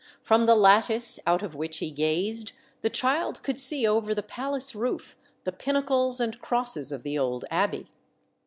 From the lattice out of which he gazed, the child could see over the palace roof the pinnacles and crosses of the old abbey."